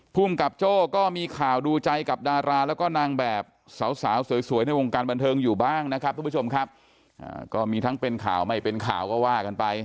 ภูมิกับโจ้ก็มีข่าวดูใจกับดาราแล้วก็นางแบบสาวสวยในวงการบันเทิงอยู่บ้างมีทั้งเป็นข่าวไม่เป็นข่าวก็ว่ากันไป